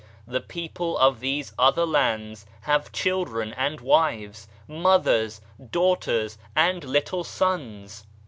The people of these other lands have children and wives, mothers, daughters, and little sons